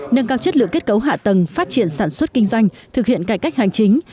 nâng cao chất lượng kết cấu hạ tầng phát triển sản xuất kinh doanh thực hiện cải cách hành chính